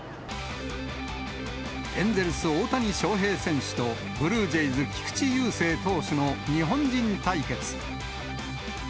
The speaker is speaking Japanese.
エンゼルス、大谷翔平選手とブルージェイズ、菊池雄星投手の日本人対決。